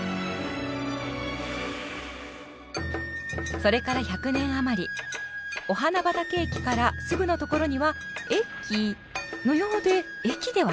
それから１００年余り御花畑駅からすぐのところには駅のようで駅ではない。